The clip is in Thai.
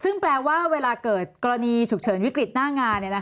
ซึ่งแปลว่าเวลาเกิดกรณีฉุกเฉินวิกฤตหน้างาน